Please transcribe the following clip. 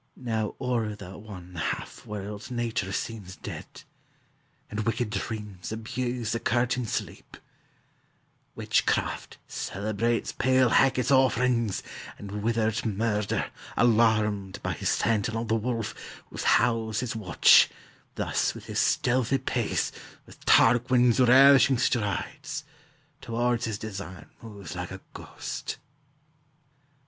Now o'er the one half world Nature seems dead, and wicked dreams abuse The curtained sleep; witchcraft celebrates Pale Hecate's offerings; and withered murder, Alarumed by his sentinel, the wolf, Whose howl's his watch, thus with his stealthy pace, With Tarquin's ravishing strides, towards his design Moves like a ghost.